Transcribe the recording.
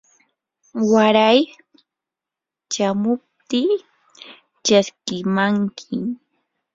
waray chamuptii chaskimankim.